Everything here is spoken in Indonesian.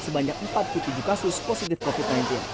sebanyak empat puluh tujuh kasus positif covid sembilan belas